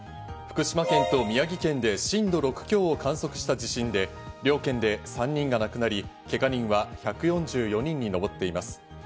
福島県と宮城県で震度６強を観測した地震で両県で３人が亡くなり、けが人は１４４人に上っています。